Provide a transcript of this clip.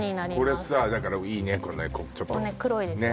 これさだからいいね黒いですよね